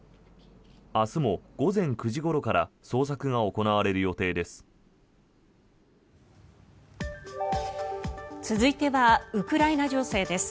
明日も午前９時ごろから捜索が行われる予定です。